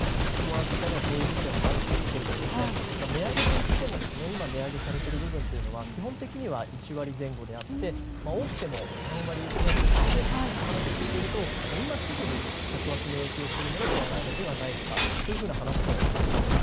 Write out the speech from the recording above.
実際にはそうなるんですが値上げといっても今値上げされている部分は基本的には１割前後で多くても、３割程度ですので話を聞いていると今すぐ客足に影響するものではないという話もありました。